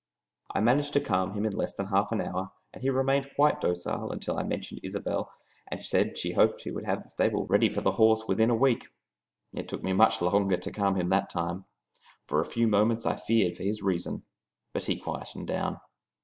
I managed to calm him in less than half an hour, and he remained quite docile until I mentioned Isobel and said she hoped he would have the stable ready for the horse within a week. It took me much longer to calm him that time. For a few moments I feared for his reason. But he quieted down.